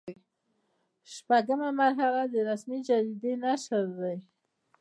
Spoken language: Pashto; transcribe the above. شپږمه مرحله د رسمي جریدې نشر دی.